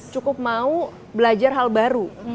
cukup mau belajar hal baru